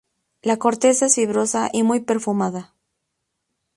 La corteza es fibrosa y muy perfumada.